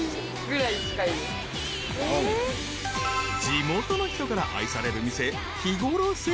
［地元の人から愛される店］